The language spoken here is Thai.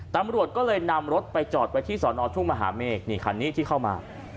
ตำรวจก็เลยนำรถไปจอดไว้ที่สอนอทุ่งมหาเมฆนี่คันนี้ที่เข้ามา